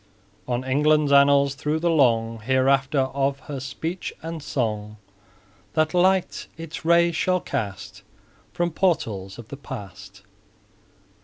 On England's annals, through the long Hereafter of her speech and song, That light its rays shall cast From portals of the past.